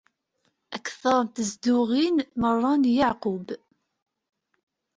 Akter n tnezduɣin mera n Yeɛqub.